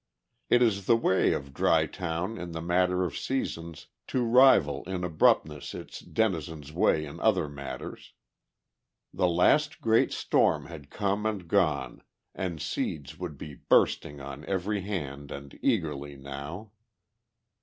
It is the way of Dry Town in the matter of seasons to rival in abruptness its denizens' ways in other matters. The last great storm had come and gone and seeds would be bursting on every hand and eagerly now.